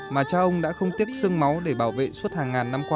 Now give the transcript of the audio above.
mà cha ông đã không tiếc sương máu để bảo vệ suốt hàng ngàn năm qua